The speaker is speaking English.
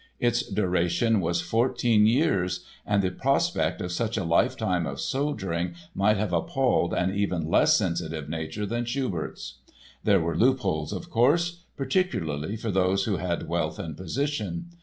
Its duration was fourteen years and the prospect of such a lifetime of soldiering might have appalled an even less sensitive nature than Schubert's. There were loopholes, of course, particularly for those who had wealth and position.